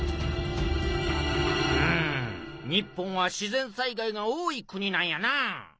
うん日本は自然災害が多い国なんやな。